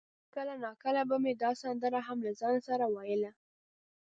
کله ناکله به مې دا سندره هم له ځانه سره ویله.